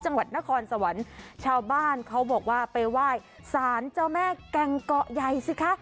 จังหวัดนครสวรรค์ชาวบ้านเขาบอกว่าไปไหว้สารเจ้าแม่แก่งเกาะใหญ่สิคะ